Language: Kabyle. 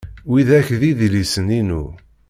Widak d idlisen-inu.